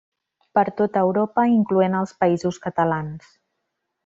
Per tota Europa incloent els Països Catalans.